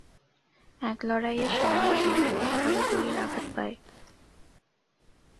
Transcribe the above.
এক লড়াইয়ের সময় জিনসিনা ঘাড়ে গুলির আঘাত পায়।